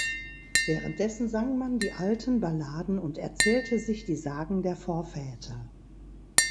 Währenddessen sang man die alten Balladen und erzählte sich die Sagen der Vorväter.